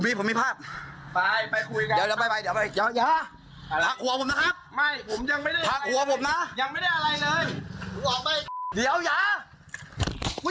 ผมมีผมมีภาพไปไปคุยกันเดี๋ยวเดี๋ยวไปไปเดี๋ยวไป